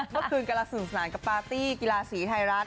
กำลังสนุกสนานกับปาร์ตี้กีฬาสีไทยรัฐ